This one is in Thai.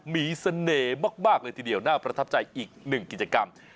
มีเสน่ห์มากเลยทีเดียวน่าประทับใจอีกหนึ่งกิจกรรม